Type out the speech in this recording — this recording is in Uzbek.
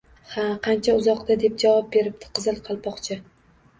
— Ha, ancha uzoqda, — deb javob beribdi Qizil Qalpoqcha